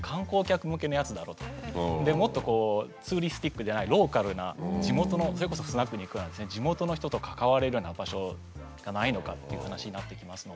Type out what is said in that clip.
もっとこうツーリスティックじゃないローカルな地元のそれこそスナックに行くようなですね地元の人と関われるような場所がないのかという話になってきますので。